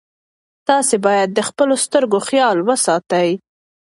تاسي باید د خپلو سترګو خیال وساتئ.